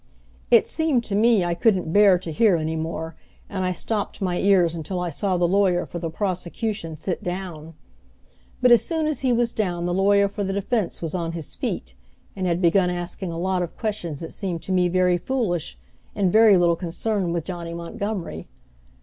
It seemed to me I couldn't bear to hear any more, and I stopped my ears until I saw the lawyer for the prosecution sit down. But as soon as he was down the lawyer for the defense was on his feet, and had begun asking a lot of questions that seemed to me very foolish, and very little concerned with Johnny Montgomery.